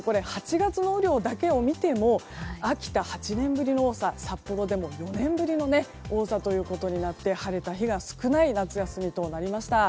８月の雨量だけを見ても秋田、８年ぶりの多さ札幌でも４年ぶりの多さということになって晴れた日が少ない夏休みとなりました。